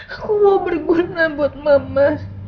aku berguna buat mama